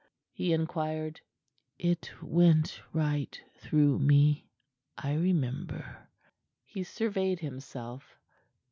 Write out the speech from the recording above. he inquired. "It went right through me. I remember!" He surveyed himself.